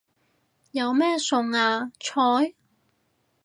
有咩餸啊？菜